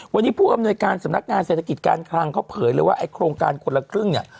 วันนี้ผู้อำนวยการสำนักงานเศรษฐกิจการคลังเขาเผยเลยว่าไอ้โครงการคนละครึ่งเนี่ย